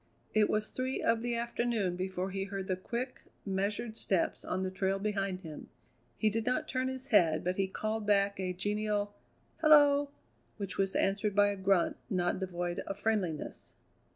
It was three of the afternoon before he heard the quick, measured steps on the trail behind him. He did not turn his head, but he called back a genial "Hello!" which was answered by a grunt not devoid of friendliness.